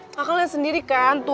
kakak lu yang sendiri kan